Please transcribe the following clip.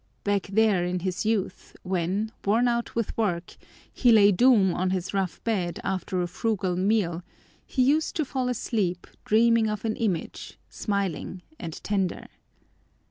Back there in his youth when, worn out with work, he lay doom on his rough bed after a frugal meal, he used to fall asleep dreaming of an image, smiling and tender.